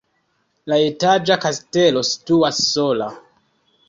La etaĝa kastelo situas sola.